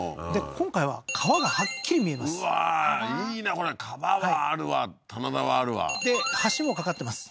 今回は川がはっきり見えますうわーいいなこれ川はあるわ棚田はあるわで橋も架かってます